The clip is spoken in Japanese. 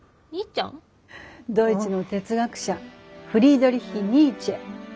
ドイツの哲学者フリードリッヒ・ニーチェ。